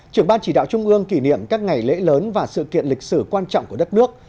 trưởng ban chỉ đạo trung ương kỷ niệm các ngày lễ lớn và sự kiện lịch sử quan trọng của đất nước